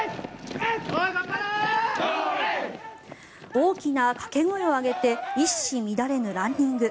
大きな掛け声をかけて一糸乱れぬランニング。